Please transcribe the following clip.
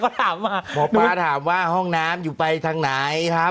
ถามว่าหมอป้าถามว่าห้องน้ำอยู่ไปทางไหนครับ